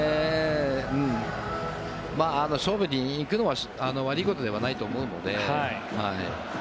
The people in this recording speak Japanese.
勝負に行くのは悪いことではないと思うので。